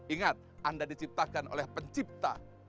ingat anda diciptakan oleh pencipta